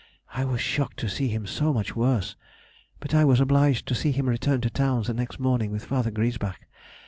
I was shocked to see him so much worse, but I was obliged to see him return to town the next morning with Fr. Griesbach.